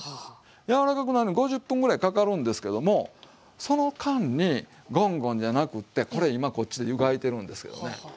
柔らかくなるのに５０分ぐらいかかるんですけどもその間にゴンゴンじゃなくってこれ今こっちで湯がいてるんですよね。